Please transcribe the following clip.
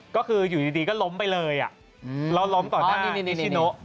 ก็คืออยู่ดีก็ล้มไปเลยแล้วล้มต่อหน้านิชิโน